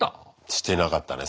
してなかったね。